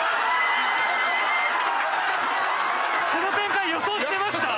この展開予想してました？